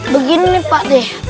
begini pak deh